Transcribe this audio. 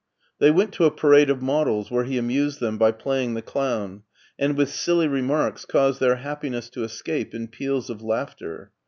They went to a parade of models where he amused them by playing the clown, and with silly remarks caused their happiness to escape in peals of laughter.